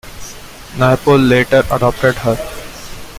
Naipaul later adopted her.